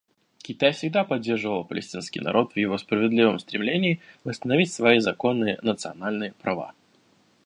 Китай всегда поддерживал палестинский народ в его справедливом стремлении восстановить свои законные национальные права.